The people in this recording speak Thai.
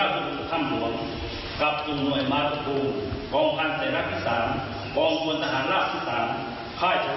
ก็กลับมากกว่าอย่างน้อย